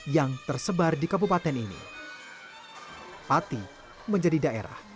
yang tersebar di kabupaten ini pati menjadi daerah